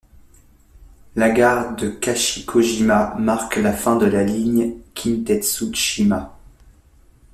La gare de Kashikojima marque la fin de la ligne Kintetsu Shima.